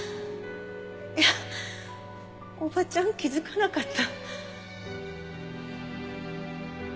いやおばちゃん気づかなかった。